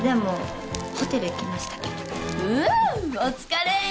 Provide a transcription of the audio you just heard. お疲れ！